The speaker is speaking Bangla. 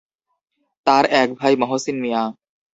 তার এক ভাই মহসিন মিয়া।